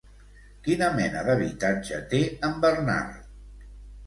Quina mena d'habitatge té en Bernard?